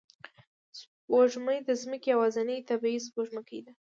سپوږمۍ د ځمکې یوازینی طبیعي سپوږمکۍ ده